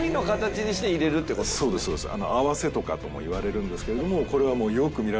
そうですそうです。へ。